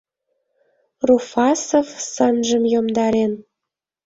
Руфасов сынжым йомдарен